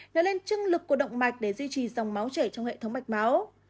nó lên chưng lực của động mạch để duy trì dòng máu chảy trong hệ thống mạch máu